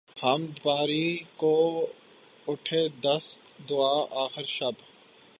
حمد باری کو اٹھے دست دعا آخر شب